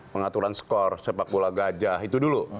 pengaturan skor sepak bola gajah itu dulu